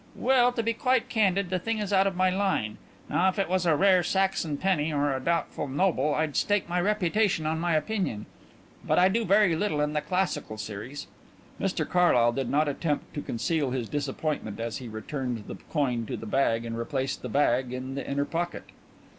"Well, to be quite candid, the thing is out of my line. Now if it was a rare Saxon penny or a doubtful noble I'd stake my reputation on my opinion, but I do very little in the classical series." Mr Carlyle did not attempt to conceal his disappointment as he returned the coin to the bag and replaced the bag in the inner pocket.